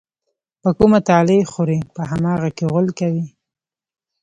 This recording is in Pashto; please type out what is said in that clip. په کومه تالې خوري، په هماغه کې غول کوي.